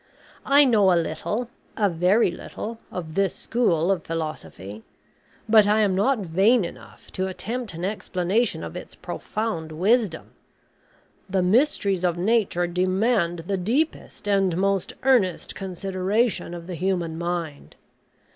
I know a little a very little of this school of philosophy; but I am not vain enough to attempt an explanation of its profound wisdom. The mysteries of Nature demand the deepest and most earnest consideration of the human mind.